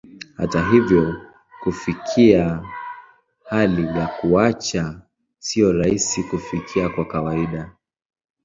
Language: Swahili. Hata hivyo, kufikia hali ya kuacha sio rahisi kufikia kwa kawaida.